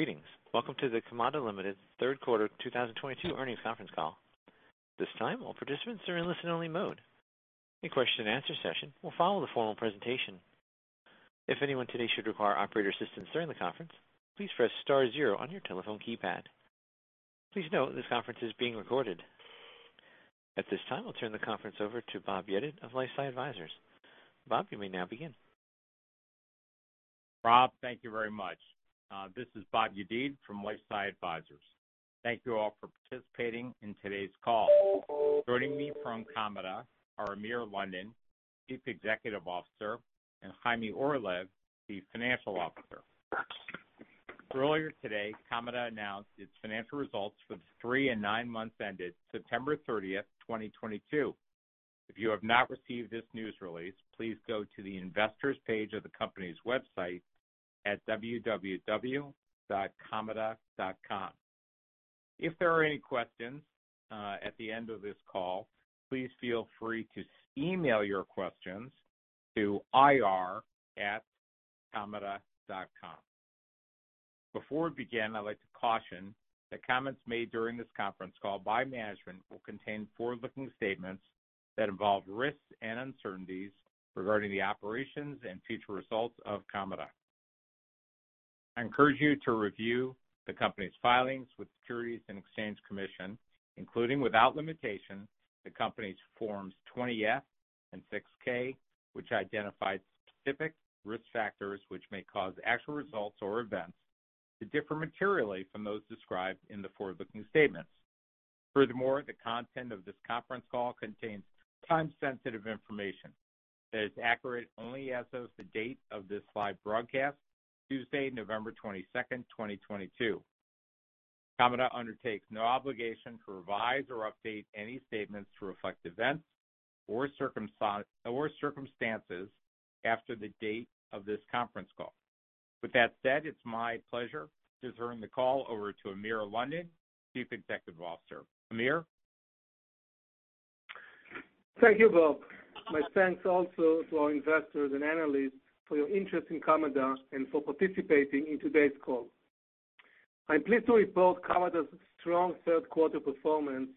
Greetings. Welcome to the Kamada Limited third quarter 2022 earnings conference call. This time, all participants are in listen-only mode. A question-and-answer session will follow the formal presentation. If anyone today should require operator assistance during the conference, please press star zero on your telephone keypad. Please note this conference is being recorded. At this time, I'll turn the conference over to Bob Yedid of LifeSci Advisors. Bob, you may now begin. Rob, thank you very much. This is Bob Yedid from LifeSci Advisors. Thank you all for participating in today's call. Joining me from Kamada are Amir London, Chief Executive Officer, and Chaime Orlev, Chief Financial Officer. Earlier today, Kamada announced its financial results for the three and nine months ended September 30th, 2022. If you have not received this news release, please go to the investor's page of the company's website at www.kamada.com. If there are any questions at the end of this call, please feel free to email your questions to ir@kamada.com. Before we begin, I'd like to caution that comments made during this conference call by management will contain forward-looking statements that involve risks and uncertainties regarding the operations and future results of Kamada. I encourage you to review the company's filings with Securities and Exchange Commission, including without limitation, the company's forms 20-F and 6-K, which identify specific risk factors which may cause actual results or events to differ materially from those described in the forward-looking statements. Furthermore, the content of this conference call contains time-sensitive information that is accurate only as of the date of this live broadcast, Tuesday, November 22nd, 2022. Kamada undertakes no obligation to revise or update any statements to reflect events or circumstances after the date of this conference call. With that said, it's my pleasure to turn the call over to Amir London, Chief Executive Officer. Amir. Thank you, Bob. My thanks also to our investors and analysts for your interest in Kamada and for participating in today's call. I'm pleased to report Kamada's strong third quarter performance,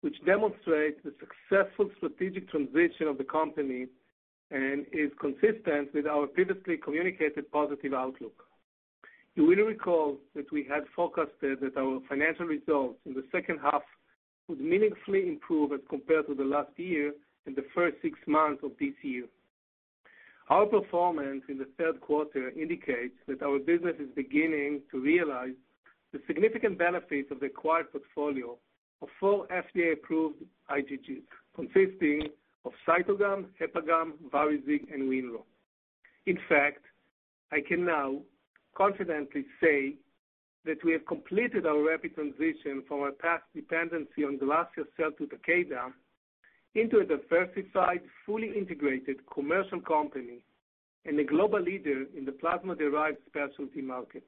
which demonstrates the successful strategic transition of the company and is consistent with our previously communicated positive outlook. You will recall that we had forecasted that our financial results in the second half would meaningfully improve as compared to the last year and the first six months of this year. Our performance in the third quarter indicates that our business is beginning to realize the significant benefits of the acquired portfolio of four FDA-approved IgGs, consisting of CYTOGAM, HepaGam, VARIZIG, and WinRho. I can now confidently say that we have completed our rapid transition from our past dependency on GLASSIA sales to Takeda into a diversified, fully integrated commercial company and a global leader in the plasma-derived specialty market.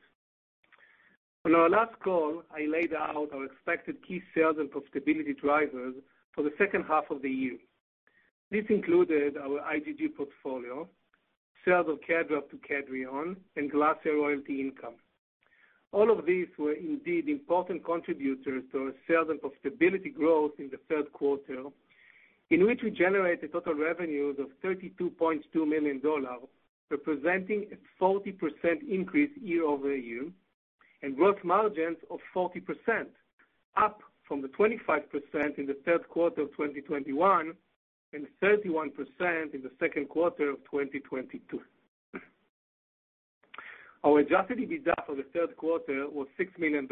On our last call, I laid out our expected key sales and profitability drivers for the second half of the year. This included our IgG portfolio, sales of KEDRAB to Kedrion, and GLASSIA royalty income. All of these were indeed important contributors to our sales and profitability growth in the third quarter, in which we generated total revenues of $32.2 million, representing a 40% increase year-over-year and gross margins of 40%, up from the 25% in the third quarter of 2021 and 31% in the second quarter of 2022. Our adjusted EBITDA for the third quarter was $6 million,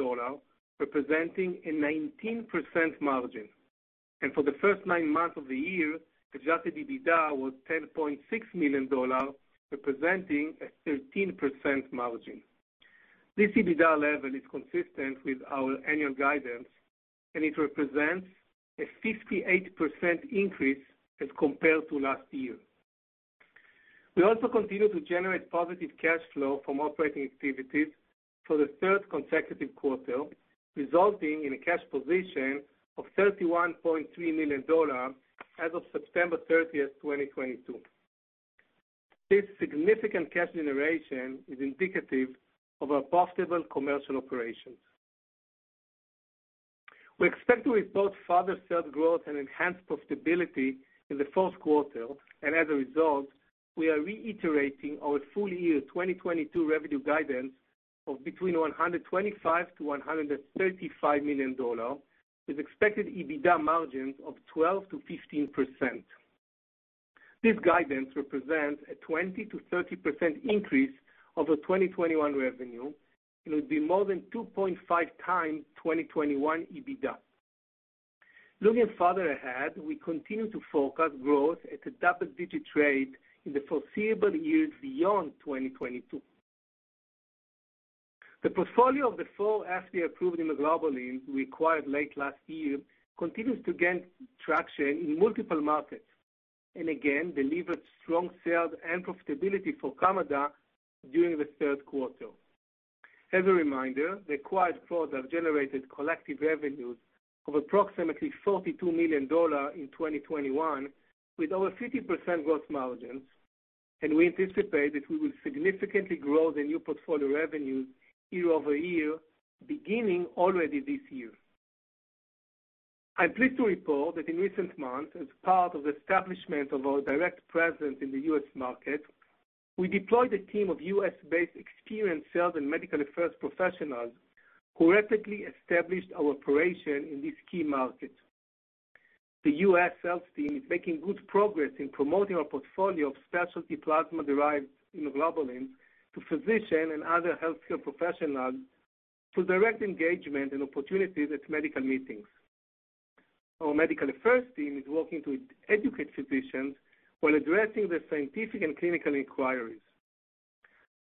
representing a 19% margin. For the first nine months of the year, adjusted EBITDA was $10.6 million, representing a 13% margin. This EBITDA level is consistent with our annual guidance, and it represents a 58% increase as compared to last year. We also continue to generate positive cash flow from operating activities for the third consecutive quarter, resulting in a cash position of $31.3 million as of September 30th, 2022. This significant cash generation is indicative of our profitable commercial operations. We expect to report further sales growth and enhanced profitability in the fourth quarter. As a result, we are reiterating our full year 2022 revenue guidance of between $125 million-$135 million with expected EBITDA margins of 12%-15%. This guidance represents a 20%-30% increase over 2021 revenue and will be more than 2.5x 2021 EBITDA. Looking further ahead, we continue to forecast growth at a double-digit rate in the foreseeable years beyond 2022. The portfolio of the four FDA-approved immunoglobulins we acquired late last year continues to gain traction in multiple markets and again delivered strong sales and profitability for Kamada during the third quarter. As a reminder, the acquired products generated collective revenues of approximately $42 million in 2021, with over 50% gross margins. We anticipate that we will significantly grow the new portfolio revenues year-over-year, beginning already this year. I'm pleased to report that in recent months, as part of the establishment of our direct presence in the U.S. market, we deployed a team of U.S.-based experienced sales and medical affairs professionals who rapidly established our operation in this key market. The U.S. Sales team is making good progress in promoting our portfolio of specialty plasma-derived immunoglobulins to physicians and other healthcare professionals through direct engagement and opportunities at medical meetings. Our medical affairs team is working to educate physicians while addressing the scientific and clinical inquiries.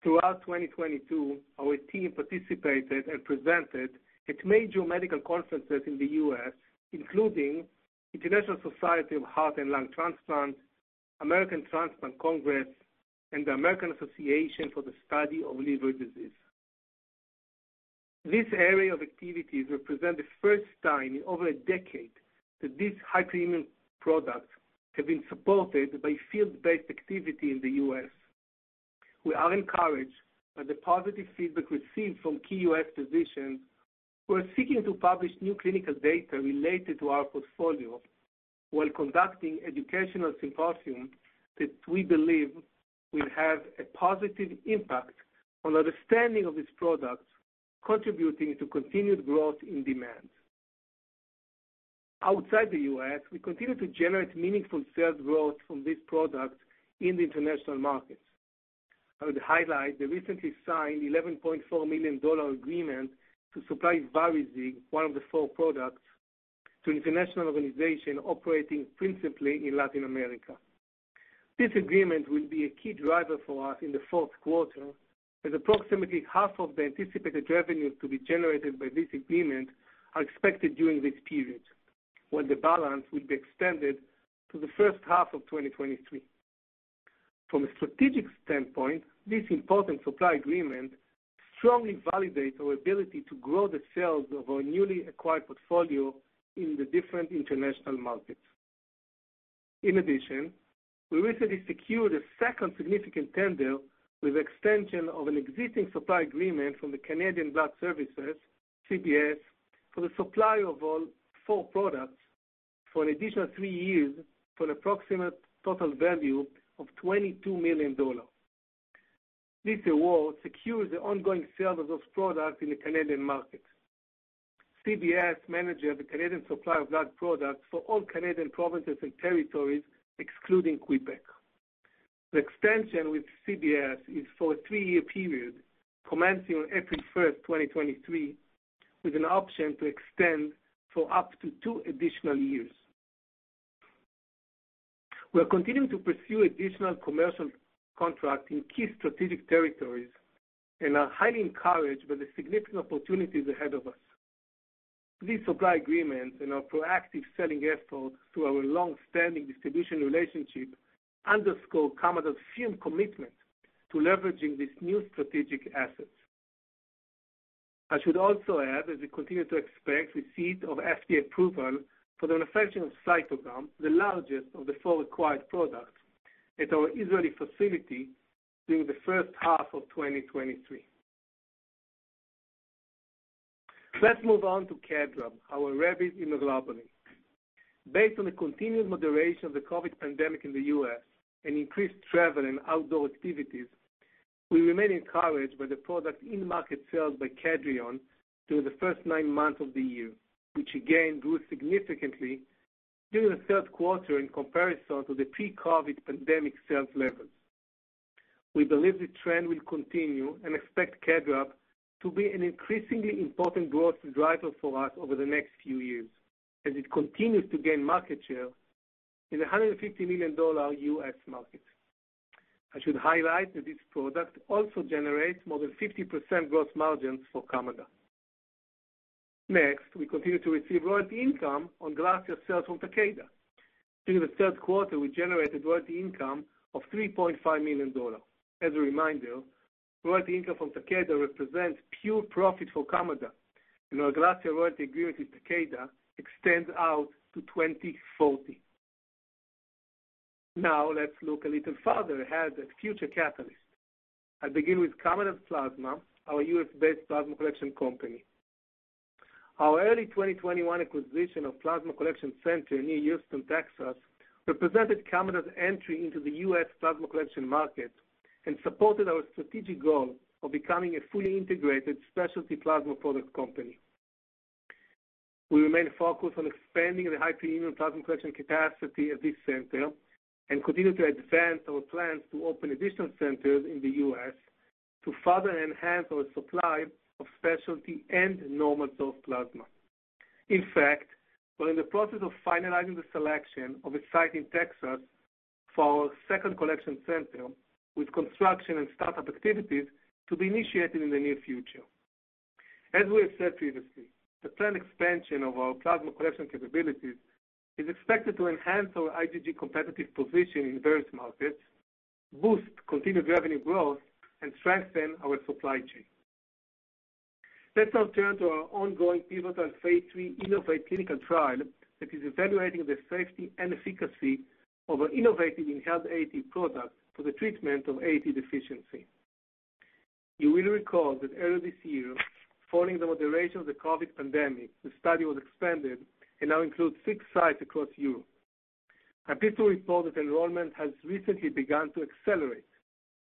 Throughout 2022, our team participated and presented at major medical conferences in the U.S., including International Society for Heart and Lung Transplantation, American Transplant Congress, and the American Association for the Study of Liver Diseases. This area of activities represent the first time in over a decade that these high-premium products have been supported by field-based activity in the U.S. We are encouraged by the positive feedback received from key U.S. physicians who are seeking to publish new clinical data related to our portfolio while conducting educational symposiums that we believe will have a positive impact on the understanding of these products, contributing to continued growth in demand. Outside the U.S., we continue to generate meaningful sales growth from these products in the international markets. I would highlight the recently signed $11.4 million agreement to supply VARIZIG, one of the four products, to an international organization operating principally in Latin America. This agreement will be a key driver for us in the fourth quarter, as approximately half of the anticipated revenues to be generated by this agreement are expected during this period, while the balance will be extended to the first half of 2023. From a strategic standpoint, this important supply agreement strongly validates our ability to grow the sales of our newly acquired portfolio in the different international markets. In addition, we recently secured a second significant tender with extension of an existing supply agreement from the Canadian Blood Services, CBS, for the supply of all four products for an additional three years for an approximate total value of $22 million. This award secures the ongoing sales of those products in the Canadian market. CBS manage the Canadian supply of blood products for all Canadian provinces and territories, excluding Quebec. The extension with CBS is for a three-year period, commencing on April first, 2023, with an option to extend for up to two additional years. We are continuing to pursue additional commercial contracts in key strategic territories and are highly encouraged by the significant opportunities ahead of us. These supply agreements and our proactive selling efforts through our long-standing distribution relationship underscore Kamada's firm commitment to leveraging these new strategic assets. I should also add that we continue to expect receipt of FDA approval for the manufacturing of CYTOGAM, the largest of the four acquired products, at our Israeli facility during the first half of 2023. Let's move on to KEDRAB, our rabid immunoglobulins. Based on the continued moderation of the COVID pandemic in the U.S. and increased travel and outdoor activities, we remain encouraged by the product in-market sales by Kedrion through the first nine months of the year, which again grew significantly during the third quarter in comparison to the pre-COVID pandemic sales levels. We believe the trend will continue, expect KEDRAB to be an increasingly important growth driver for us over the next few years, as it continues to gain market share in the $150 million U.S. market. I should highlight that this product also generates more than 50% gross margins for Kamada. We continue to receive royalty income on GLASSIA sales from Takeda. During the third quarter, we generated royalty income of $3.5 million. As a reminder, royalty income from Takeda represents pure profit for Kamada, and our GLASSIA royalty agreement with Takeda extends out to 2040. Let's look a little further ahead at future catalysts. I'll begin with Kamada Plasma, our U.S.-based plasma collection company. Our early 2021 acquisition of Plasma Collection Center near Houston, Texas, represented Kamada's entry into the U.S. plasma collection market and supported our strategic goal of becoming a fully integrated specialty plasma product company. We remain focused on expanding the high-premium plasma collection capacity at this center and continue to advance our plans to open additional centers in the U.S. to further enhance our supply of specialty and normal source plasma. In fact, we're in the process of finalizing the selection of a site in Texas for our second collection center, with construction and start-up activities to be initiated in the near future. As we have said previously, the planned expansion of our plasma collection capabilities is expected to enhance our IgG competitive position in various markets, boost continued revenue growth, and strengthen our supply chain. Let's now turn to our ongoing pivotal phase III InnovAATe clinical trial that is evaluating the safety and efficacy of our innovative inhaled AAT product for the treatment of AAT deficiency. You will recall that earlier this year, following the moderation of the COVID pandemic, the study was expanded and now includes six sites across Europe. I'm pleased to report that enrollment has recently begun to accelerate.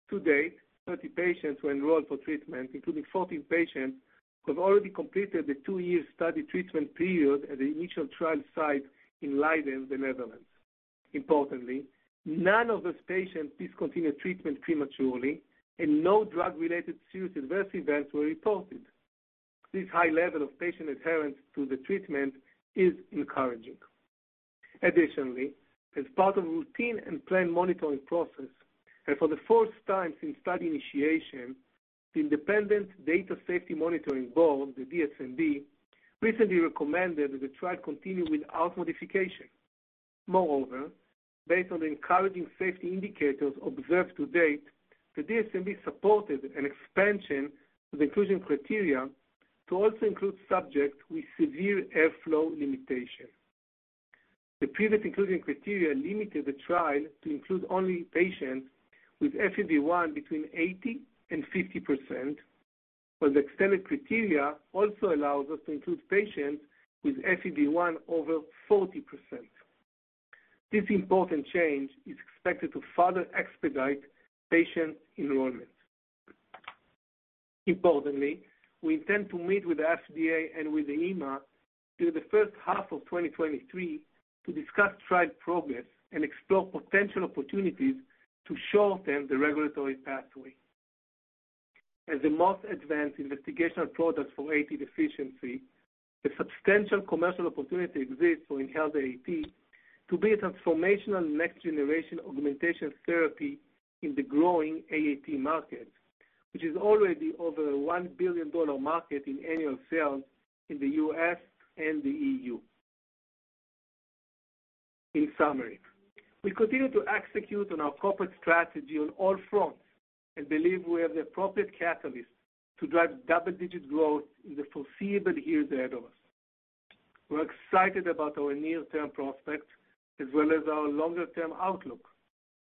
To date, 30 patients were enrolled for treatment, including 14 patients who have already completed the two-year study treatment period at the initial trial site in Leiden, the Netherlands. Importantly, none of those patients discontinued treatment prematurely, and no drug-related serious adverse events were reported. This high level of patient adherence to the treatment is encouraging. As part of routine and planned monitoring process, and for the first time since study initiation, the independent Data Safety Monitoring Board, the DSMB, recently recommended that the trial continue without modification. Based on the encouraging safety indicators observed to date, the DSMB supported an expansion of the inclusion criteria to also include subjects with severe airflow limitation. The previous inclusion criteria limited the trial to include only patients with FEV1 between 80% and 50%, while the extended criteria also allows us to include patients with FEV1 over 40%. This important change is expected to further expedite patient enrollment. We intend to meet with the FDA and with the EMA during the first half of 2023 to discuss trial progress and explore potential opportunities to shorten the regulatory pathway. As the most advanced investigational product for AAT deficiency, a substantial commercial opportunity exists for Inhaled AAT to be a transformational next-generation augmentation therapy in the growing AAT market, which is already over a $1 billion market in annual sales in the U.S. and the EU. In summary, we continue to execute on our corporate strategy on all fronts and believe we have the appropriate catalyst to drive double-digit growth in the foreseeable years ahead of us. We're excited about our near-term prospects as well as our longer-term outlook,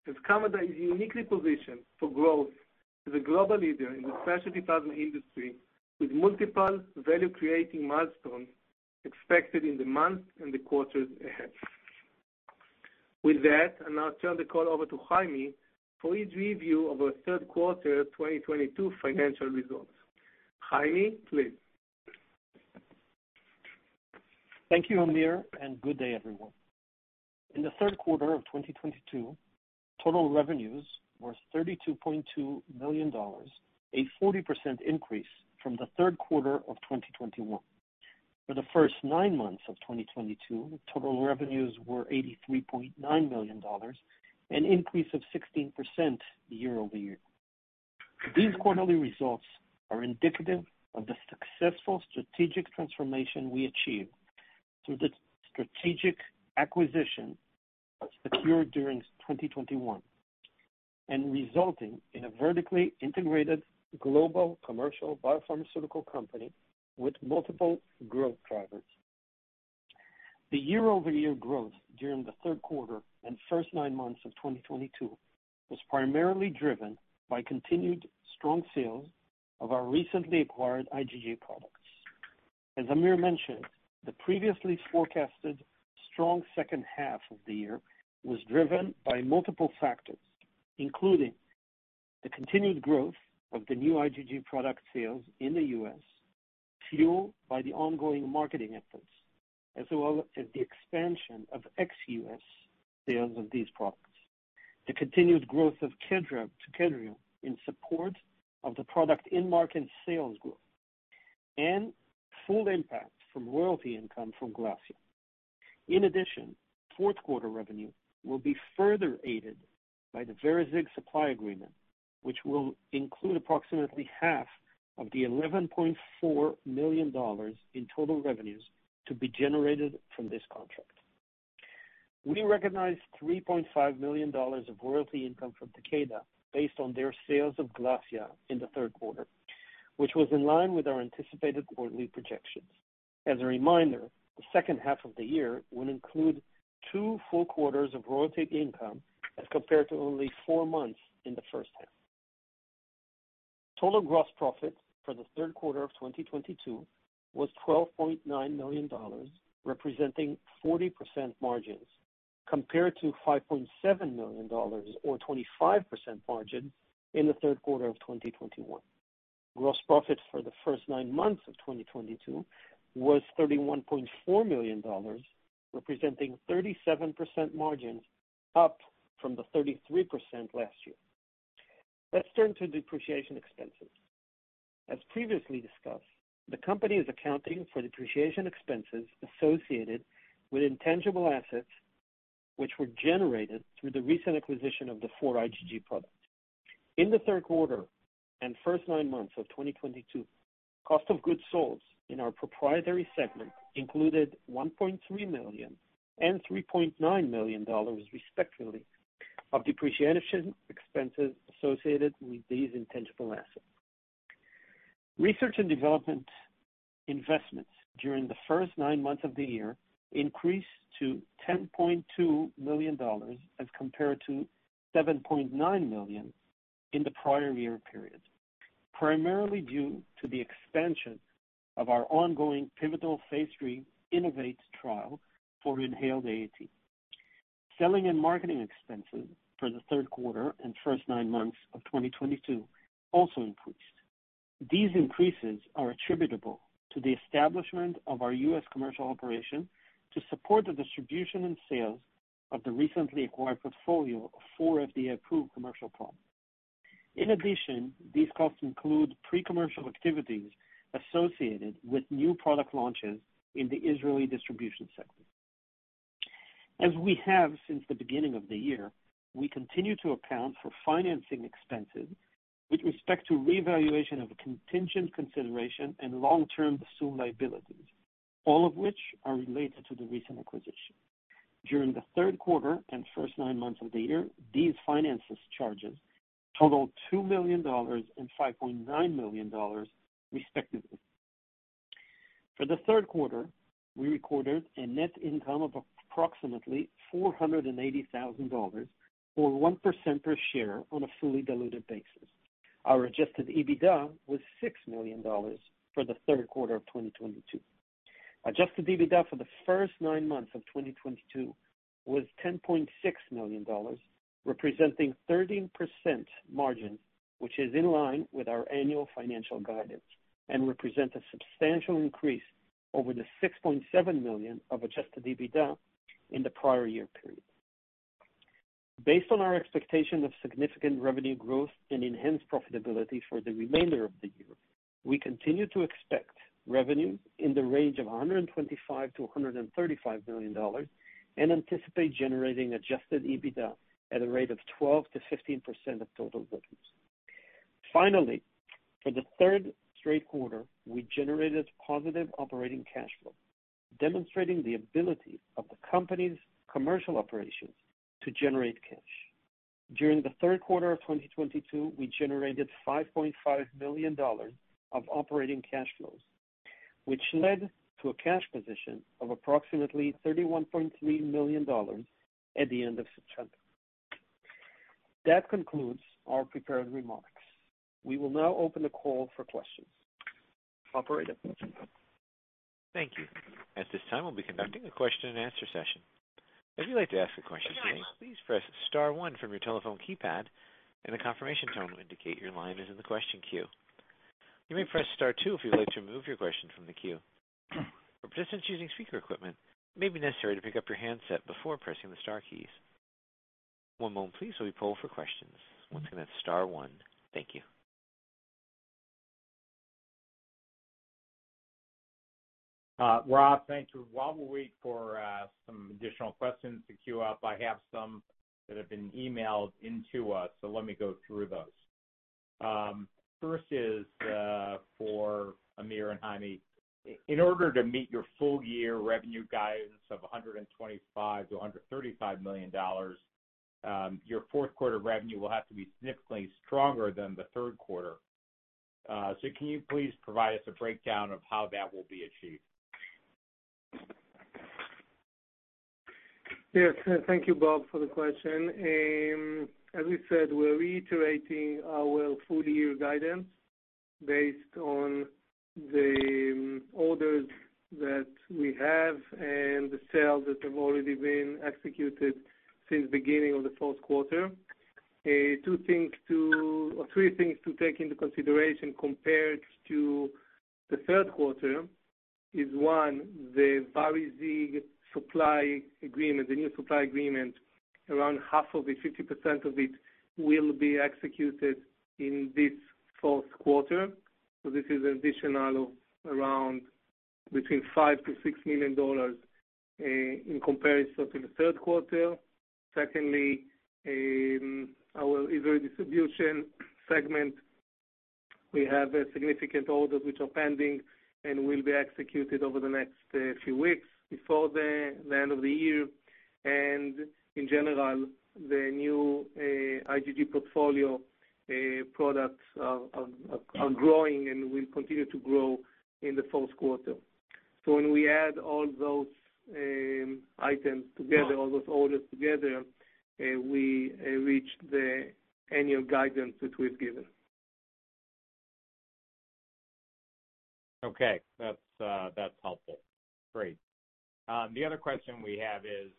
as Kamada is uniquely positioned for growth as a global leader in the specialty pharma industry with multiple value-creating milestones expected in the months and the quarters ahead. With that, I'll now turn the call over to chaime for his review of our third quarter 2022 financial results. chaime, please. Thank you, Amir. Good day, everyone. In the third quarter of 2022, total revenues were $32.2 million, a 40% increase from the third quarter of 2021. For the first nine months of 2022, total revenues were $83.9 million, an increase of 16% year-over-year. These quarterly results are indicative of the successful strategic transformation we achieved through the strategic acquisition that secured during 2021, and resulting in a vertically integrated global commercial biopharmaceutical company with multiple growth drivers. The year-over-year growth during the third quarter and first nine months of 2022 was primarily driven by continued strong sales of our recently acquired IgG products. As Amir mentioned, the previously forecasted strong second half of the year was driven by multiple factors, including the continued growth of the new IgG product sales in the U.S., fueled by the ongoing marketing efforts, as well as the expansion of ex U.S. sales of these products. The continued growth of Takeda in support of the product in-market sales growth and full impact from royalty income from GLASSIA. In addition, fourth quarter revenue will be further aided by the VARIZIG supply agreement, which will include approximately half of the $11.4 million in total revenues to be generated from this contract. We recognized $3.5 million of royalty income from Takeda based on their sales of GLASSIA in the third quarter, which was in line with our anticipated quarterly projections. As a reminder, the second half of the year will include two full quarters of royalty income as compared to only four months in the first half. Total gross profit for the third quarter of 2022 was $12.9 million, representing 40% margins, compared to $5.7 million or 25% margin in the third quarter of 2021. Gross profit for the first nine months of 2022 was $31.4 million, representing 37% margins up from the 33% last year. Let's turn to depreciation expenses. As previously discussed, the company is accounting for depreciation expenses associated with intangible assets, which were generated through the recent acquisition of the four IgG products. In the third quarter and first nine months of 2022, cost of goods sold in our proprietary segment included $1.3 million and $3.9 million, respectively, of depreciation expenses associated with these intangible assets. Research and development investments during the first nine months of the year increased to $10.2 million as compared to $7.9 million in the prior year period, primarily due to the expansion of our ongoing pivotal Phase III InnovAATe trial for inhaled AAT. Selling and marketing expenses for the third quarter and first nine months of 2022 also increased. These increases are attributable to the establishment of our U.S. commercial operation to support the distribution and sales of the recently acquired portfolio of four FDA-approved commercial products. In addition, these costs include pre-commercial activities associated with new product launches in the Israeli distribution sector. As we have since the beginning of the year, we continue to account for financing expenses with respect to revaluation of contingent consideration and long-term assumed liabilities, all of which are related to the recent acquisition. During the third quarter and first nine months of the year, these finances charges totaled $2 million and $5.9 million, respectively. For the third quarter, we recorded a net income of approximately $480,000, or 1% per share on a fully diluted basis. Our Adjusted EBITDA was $6 million for the third quarter of 2022. Adjusted EBITDA for the first nine months of 2022 was $10.6 million, representing 13% margin, which is in line with our annual financial guidance and represent a substantial increase over the $6.7 million of Adjusted EBITDA in the prior year period. Based on our expectation of significant revenue growth and enhanced profitability for the remainder of the year, we continue to expect revenue in the range of $125 million-$135 million and anticipate generating adjusted EBITDA at a rate of 12%-15% of total revenues. Finally, for the third straight quarter, we generated positive operating cash flow, demonstrating the ability of the company's commercial operations to generate cash. During the third quarter of 2022, we generated $5.5 million of operating cash flows, which led to a cash position of approximately $31.3 million at the end of September. That concludes our prepared remarks. We will now open the call for questions. Operator? Thank you. At this time, we'll be conducting a question and answer session. If you'd like to ask a question today, please press star one from your telephone keypad and a confirmation tone will indicate your line is in the question queue. You may press star two if you'd like to remove your question from the queue. For participants using speaker equipment, it may be necessary to pick up your handset before pressing the star keys. One moment please while we poll for questions. Once again, that's star one. Thank you. Bob Yedid, thank you. While we wait for some additional questions to queue up, I have some that have been emailed into us, so let me go through those. First is for Amir London and Chaime Orlev. In order to meet your full year revenue guidance of $125 million-$135 million, your fourth quarter revenue will have to be significantly stronger than the third quarter. Can you please provide us a breakdown of how that will be achieved? Yes. Thank you, Bob, for the question. As we said, we're reiterating our full year guidance based on the orders that we have and the sales that have already been executed since beginning of the fourth quarter. Two things to or three things to take into consideration compared to the third quarter is, one, the VARIZIG supply agreement, the new supply agreement, around half of it, 50% of it, will be executed in this fourth quarter. This is additional around between $5 million-$6 million, in comparison to the third quarter. Secondly, our IgG distribution segment, we have significant orders which are pending and will be executed over the next few weeks before the end of the year. In general, the new, IgG portfolio products are growing and will continue to grow in the fourth quarter. When we add all those items together, all those orders together, we reach the annual guidance that we've given. Okay. That's, that's helpful. Great. The other question we have is,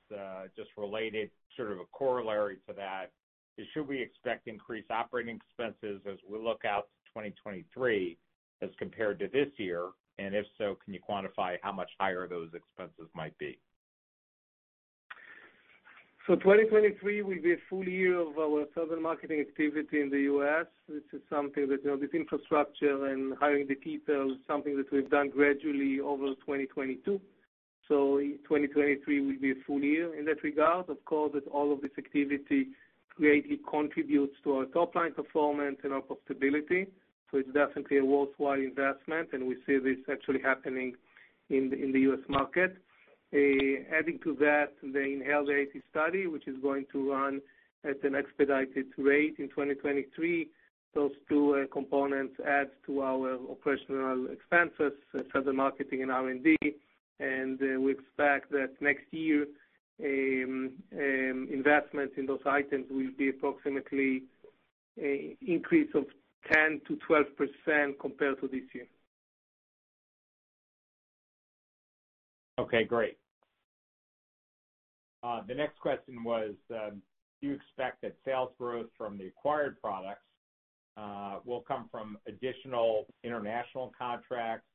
just related, sort of a corollary to that is should we expect increased operating expenses as we look out to 2023 as compared to this year? If so, can you quantify how much higher those expenses might be? 2023 will be a full year of our southern marketing activity in the U.S. This is something that, you know, this infrastructure and hiring the people, something that we've done gradually over 2022. In 2023 will be a full year in that regard. Of course, all of this activity greatly contributes to our top-line performance and our profitability. It's definitely a worthwhile investment, and we see this actually happening in the U.S. market. Adding to that, the inhaled AAT study, which is going to run at an expedited rate in 2023. Those two components add to our operational expenses for the marketing and R&D. We expect that next year, investments in those items will be approximately a increase of 10%-12% compared to this year. Okay, great. The next question was, do you expect that sales growth from the acquired products will come from additional international contracts,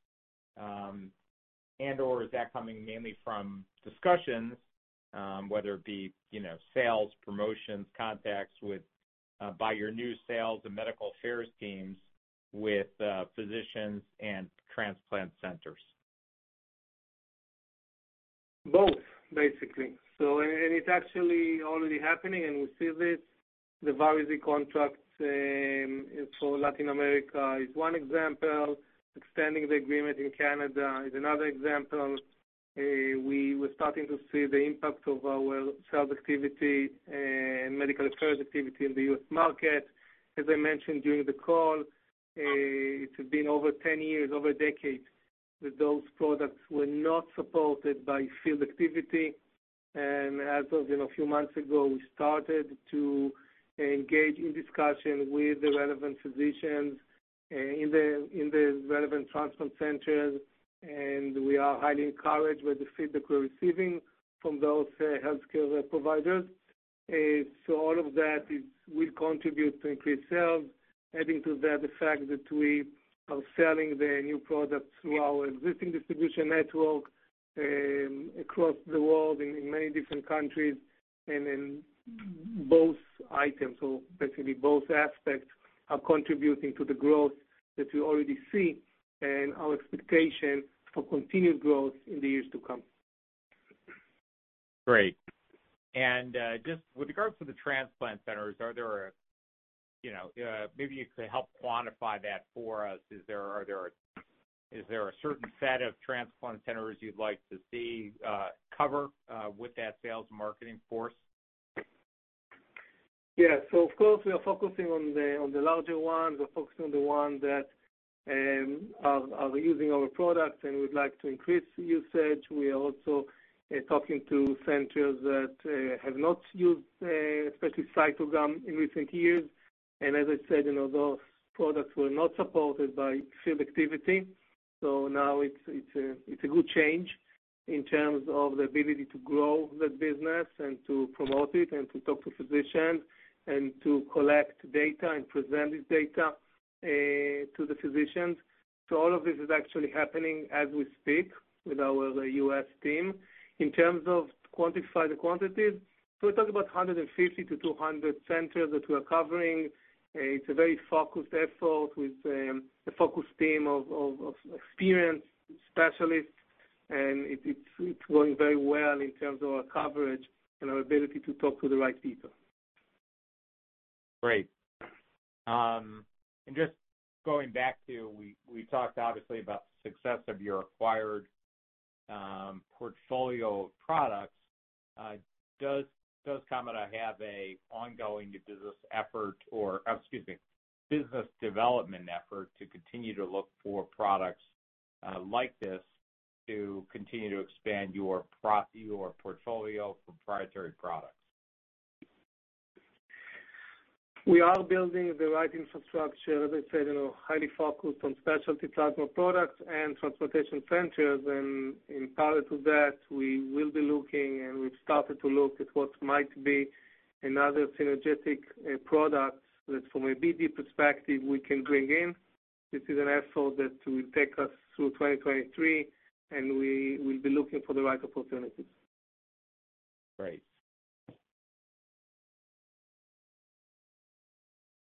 and/or is that coming mainly from discussions, whether it be, you know, sales, promotions, contacts with by your new sales and medical affairs teams with physicians and transplant centers? Both, basically. It's actually already happening, and we see this. The VARIZIG contract for Latin America is one example. Extending the agreement in Canada is another example. We're starting to see the impact of our sales activity and medical affairs activity in the U.S. market. As I mentioned during the call, it has been over 10 years, over a decade, that those products were not supported by field activity. As of, you know, a few months ago, we started to engage in discussion with the relevant physicians in the relevant transplant centers, and we are highly encouraged with the feedback we're receiving from those healthcare providers. All of that will contribute to increased sales. Adding to that, the fact that we are selling the new products through our existing distribution network, across the world in many different countries and in both items. Basically both aspects are contributing to the growth that we already see and our expectation for continued growth in the years to come. Great. Just with regards to the transplant centers, are there, you know, maybe you could help quantify that for us. Is there a certain set of transplant centers you'd like to see, cover, with that sales marketing force? Yeah. Of course, we are focusing on the, on the larger ones. We're focusing on the ones that are using our products, and we'd like to increase the usage. We are also talking to centers that have not used especially CYTOGAM in recent years. As I said, you know, those products were not supported by field activity, so now it's a good change in terms of the ability to grow that business and to promote it and to talk to physicians and to collect data and present this data to the physicians. All of this is actually happening as we speak with our U.S. team. In terms of quantify the quantities, we're talking about 150-200 centers that we are covering. It's a very focused effort with a focused team of experienced specialists, and it's going very well in terms of our coverage and our ability to talk to the right people. Great. Just going back to, we talked obviously about the success of your acquired portfolio of products. Does Kamada have an ongoing business effort or, excuse me, business development effort to continue to look for products like this to continue to expand your portfolio for proprietary products? We are building the right infrastructure, as I said, you know, highly focused on specialty plasma products and transplantation centers. In parallel to that, we will be looking, and we've started to look at what might be another synergetic products that from a BD perspective, we can bring in. This is an effort that will take us through 2023, and we will be looking for the right opportunities. Great.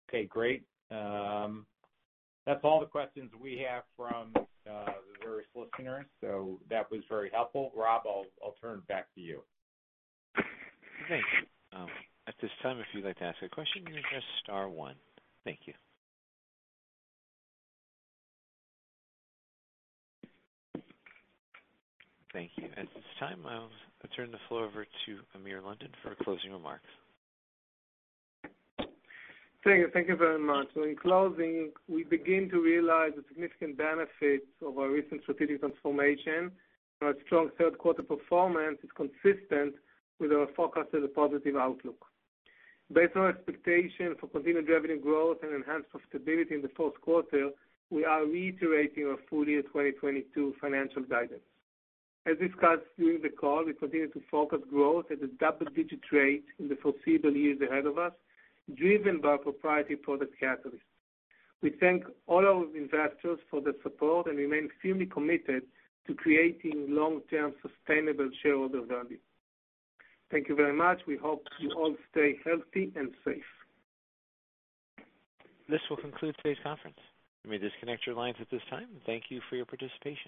Okay, great. That's all the questions we have from the various listeners. That was very helpful. Rob, I'll turn it back to you. Thank you. At this time, if you'd like to ask a question, you can press star one. Thank you. Thank you. At this time, I'll turn the floor over to Amir London for closing remarks. Thank you. Thank you very much. In closing, we begin to realize the significant benefits of our recent strategic transformation. Our strong third quarter performance is consistent with our forecasted positive outlook. Based on expectation for continued revenue growth and enhanced profitability in the fourth quarter, we are reiterating our full-year 2022 financial guidance. As discussed during the call, we continue to focus growth at a double-digit rate in the foreseeable years ahead of us, driven by proprietary product catalysts. We thank all our investors for their support and remain firmly committed to creating long-term sustainable shareholder value. Thank you very much. We hope you all stay healthy and safe. This will conclude today's conference. You may disconnect your lines at this time. Thank you for your participation.